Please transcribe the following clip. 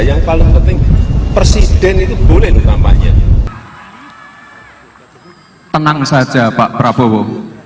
yang paling penting presiden itu boleh dong tampaknya tenang saja pak prabowo